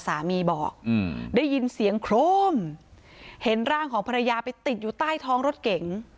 สามีบอกอืมได้ยินเสียงโครมเห็นร่างของภรรยาไปติดอยู่ใต้ท้องรถเก๋ง